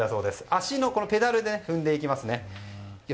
足のペダルで踏んでいきます。